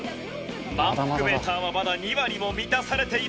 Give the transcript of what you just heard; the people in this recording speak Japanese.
まんぷくメーターはまだ２割も満たされていません。